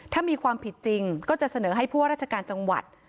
ถ้ามีความผิดจริงก็จะเสนอให้ผู้ว่าราชการจังหวัด